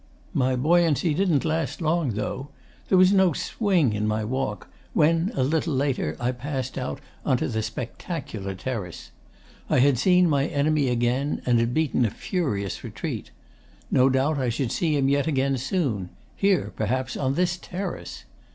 'My buoyancy didn't last long, though. There was no swing in my walk when, a little later, I passed out on to the spectacular terrace. I had seen my enemy again, and had beaten a furious retreat. No doubt I should see him yet again soon here, perhaps, on this terrace.